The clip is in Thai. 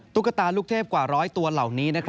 ตุ๊กตาลูกเทพกว่า๑๐๐ตัวเหล่านี้